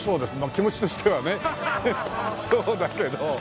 気持ちとしてはねそうだけど。